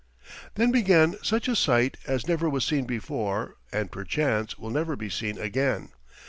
Then began such a sight as never was seen before and perchance will never be seen again.